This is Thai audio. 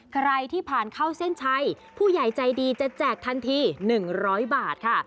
ใครที่ผ่านเข้าเส้นชัยผู้ใหญ่ใจดีจะแจกทันที๑๐๐บาทค่ะ